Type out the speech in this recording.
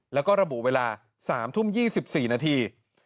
แล้วก็ระบุเวลา๓ทุ่ม๒๔นาที